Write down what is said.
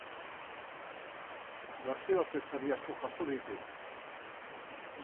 Nazioarteko sari asko jaso ditu.